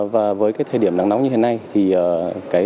và với thời điểm nắng nóng như thế này